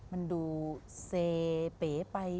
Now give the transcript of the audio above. มันดูเซเป๋ไป